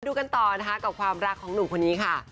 ดูกันต่อนะคะกับความรักของหนุ่มคนนี้ค่ะ